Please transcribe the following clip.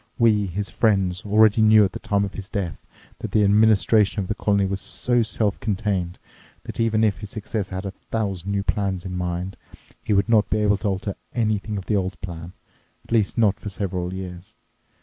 We, his friends, already knew at the time of his death that the administration of the colony was so self contained that even if his successor had a thousand new plans in mind, he would not be able to alter anything of the old plan, at least not for several years.